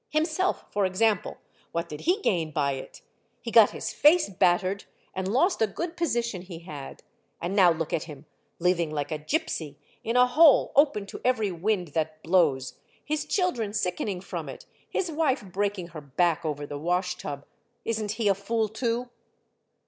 Himself for example, what did he gain by it? He got his face battered and lost a good position he had. And now look at him, liv ing like a gypsy in a hole open to every wind that blows, his children sickening from it, his wife breaking her back over the wash tub. Is n't he a fool too?"